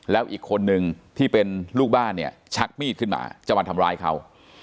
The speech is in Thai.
แล้วอีกคนนึงที่เป็นลูกบ้านเนี่ยชักมีดขึ้นมาจะมาทำร้ายเขา